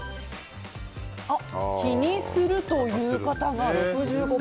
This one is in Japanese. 気にするという方が６５％。